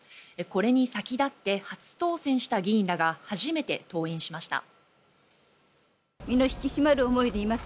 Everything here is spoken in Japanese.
これに先立って初当選した議員らが初めて登院しました。